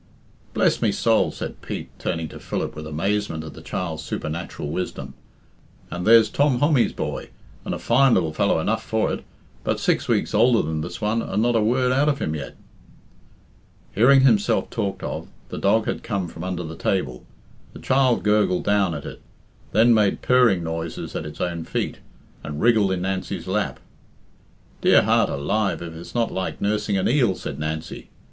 "Bless me soul!" said Pete, turning to Philip with amazement at the child's supernatural wisdom. "And there's Tom Hommy's boy and a fine lil fellow enough for all but six weeks older than this one, and not a word out of him yet." Hearing himself talked of, the dog had come from under the table. The child gurgled down at it, then made purring noises at its own feet, and wriggled in Nancy's lap. "Dear heart alive, if it's not like nursing an eel," said Nancy.